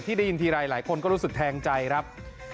ได้ยินทีไรหลายคนก็รู้สึกแทงใจครับ